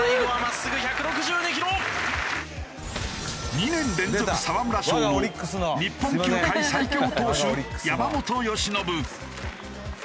２年連続沢村賞の日本球界最強投手山本由伸。